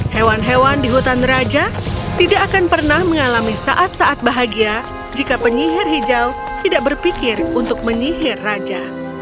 hewan hewan di hutan raja tidak akan pernah mengalami saat saat bahagia jika penyihir hijau tidak berpikir untuk menyihir raja